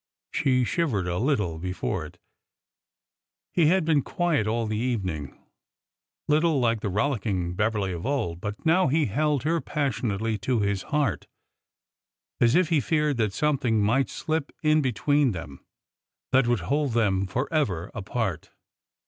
She shivered a little before it. He had been quiet all the evening,— little like the rollicking Beverly of old,— but now he held her passionately to his heart as if he feared that something might slip in between them that would hold them forever apart.